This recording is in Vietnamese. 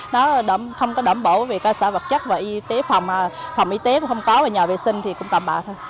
nó không có đảm bảo về cơ sở vật chất và y tế phòng phòng y tế cũng không có là nhà vệ sinh thì cũng tạm bạ thôi